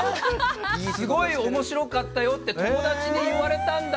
「すごい面白かったよって友達に言われたんだよ。